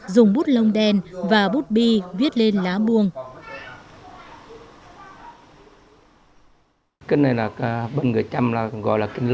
dùng bút lông đen và bút bi viết lên lá buông